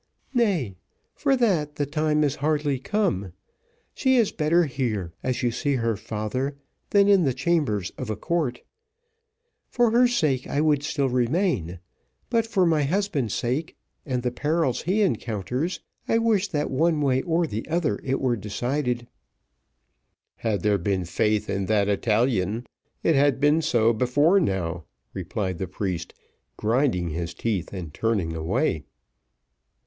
"Nay, for that, the time is hardly come. She is better here, as you see her, father, than in the chambers of a court. For her sake I would still remain; but for my husband's sake, and the perils he encounters, I wish that one way or the other it were decided." "Had there been faith in that Italian, it had been so before how," replied the priest, grinding his teeth, and turning away.